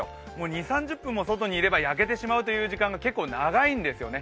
２０３０分も外にいれば焼けてしまうという時間帯が結構長いんですよね。